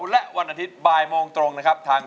เพื่อจะไปชิงรางวัลเงินล้าน